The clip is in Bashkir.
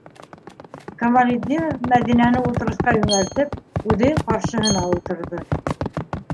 - Камалетдинов, Мәҙинәне ултырғысҡа йүнәлтеп, үҙе ҡаршыһына ултырҙы.